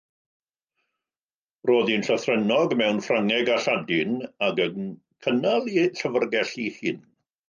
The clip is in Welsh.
Roedd hi'n llythrennog mewn Ffrangeg a Lladin ac yn cynnal ei llyfrgell ei hun.